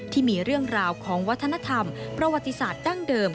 ที่มีเรื่องราวของวัฒนธรรมประวัติศาสตร์ดั้งเดิม